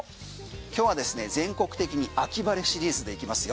今日は全国的に秋晴れシリーズでいきますよ。